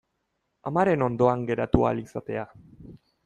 Amaren ondoan geratu ahal izatea.